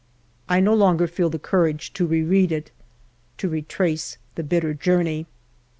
I no longer feel the courage to re read it, to retrace the bitter journey.